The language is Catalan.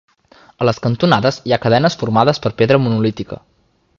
A les cantonades hi ha cadenes formades per pedra monolítica.